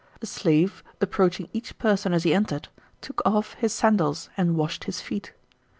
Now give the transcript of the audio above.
A slave, approaching each person as he entered, took off his sandals and washed his feet.